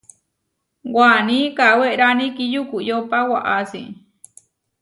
Waní kawérani kiyúkoyopa waʼási.